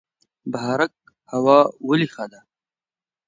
بهارک هوا ولې ښه ده؟